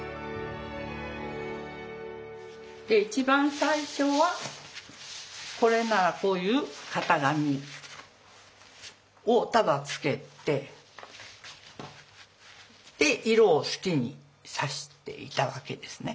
一番最初はこれならこういう型紙をただつけて色を好きに挿していたわけですね。